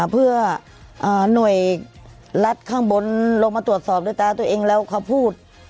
เพื่อหน่วยรัฐข้างบนลงมาตรวจสอบด้วยตาตัวเองแล้วเขาพูด